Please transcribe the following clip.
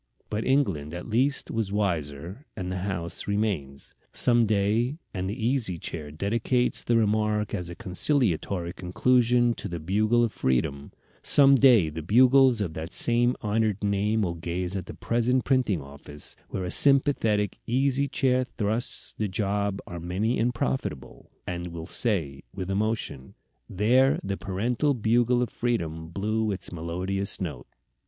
But England at least was wiser, and the house remains. Some day and the Easy Chair dedicates the remark as a conciliatory conclusion to the Bugle of Freedom some day the Bugles of that same honored name will gaze at the present printing office, where a sympathetic Easy Chair trusts the jobs are many and profitable, and will say, with emotion, "There the parental Bugle of Freedom blew its melodious note."